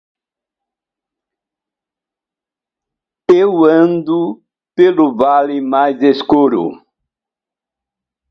Eu ando pelo vale mais escuro.